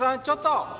ちょっと！